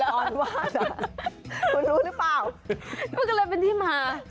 ออนวาดอ่ะคุณรู้หรือเปล่ามันก็เลยเป็นที่มา